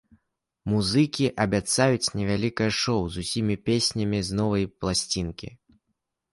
Музыкі абяцаюць невялікае шоў з усімі песнямі з новай пласцінкі.